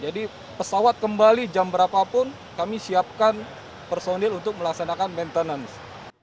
jadi pesawat kembali jam berapapun kami siapkan personel untuk melaksanakan maintenance